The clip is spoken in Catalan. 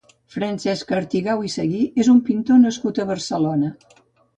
Francesc Artigau i Seguí és un pintor nascut a Barcelona.